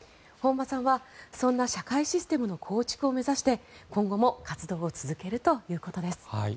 本間さんはそんな社会システムの構築を目指して今後も活動を続けるということです。